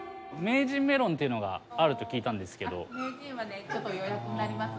名人メロンというのがあると聞いたんですけど。